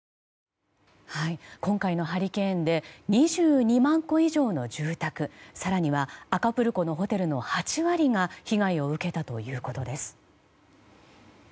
今回のハリケーンで２２万戸以上の住宅更にはアカプルコのホテルの８割が被害を受けたということです。